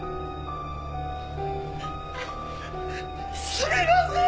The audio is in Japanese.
すみません！